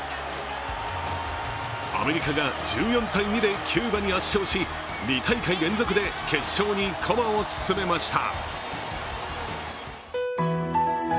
アメリカが１４−２でキューバに圧勝し２大会連続で決勝に駒を進めました。